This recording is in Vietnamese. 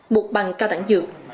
một bằng cao đẳng dược